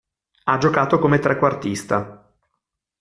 Ha giocato come trequartista.